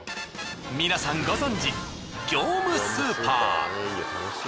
皆さんご存じ業務スーパー。